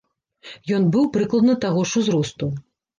Ён быў прыкладна таго ж узросту.